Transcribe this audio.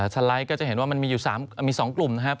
สไลด์ก็จะเห็นว่ามันมีอยู่มี๒กลุ่มนะครับ